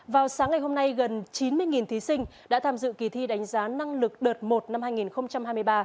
vào sáng ngày hôm nay gần chín mươi thí sinh đã tham dự kỳ thi đánh giá năng lực đợt một năm hai nghìn hai mươi ba